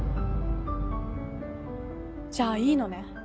じゃあいいのね？